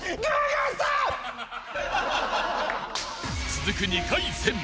［続く２回戦］